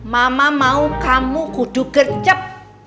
mama mau kamu kudu gercep